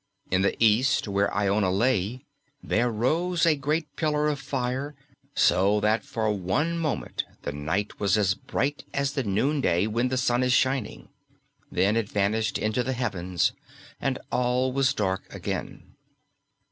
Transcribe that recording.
In the east where Iona lay, there rose a great pillar of fire, so that for one moment the night was as bright as the noonday when the sun is shining. Then it vanished into the heavens and all was dark again.